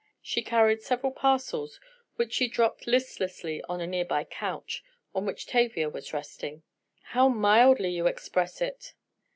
She carried several parcels, which she dropped listlessly on a nearby couch, on which Tavia was resting. "How mildly you express it!"